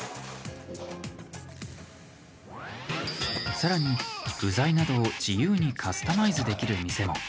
さらに具材などを自由にカスタマイズできる店も。